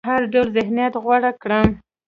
هر ډول ذهنيت غوره کړم.